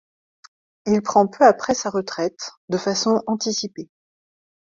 Il prend peu après sa retraite, de façon anticipée.